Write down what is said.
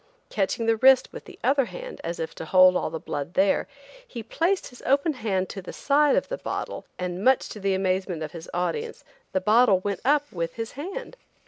Catching the wrist with the other hand, as if to hold all the blood there, he placed his open hand to the side of [the] bottle and, much to the amazement of his audience, the bottle went up with his hand.